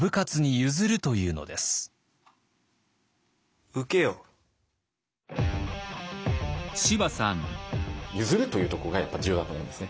譲るというとこがやっぱ重要だと思うんですね。